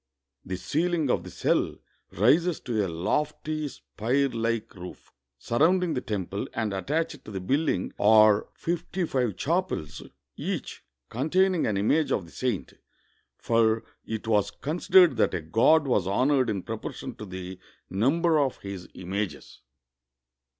The ceiling of the cell rises to a lofty, spire like roof. Surrounding the temple and attached to the building are fifty five chapels, each con taining an image of the saint, for it was considered that a god was honored in proportion to the number of his images.